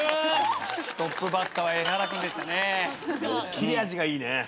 切れ味がいいね。